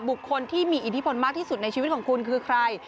บุคคลที่มีอิทธิพลมากที่สุดในชีวิตของคุณคือใคร